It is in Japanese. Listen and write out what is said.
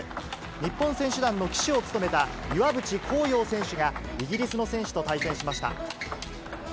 日本選手団の旗手を務めた岩渕幸洋選手が、イギリスの選手と対戦しました。